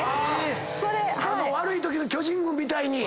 悪いときの巨人軍みたいに。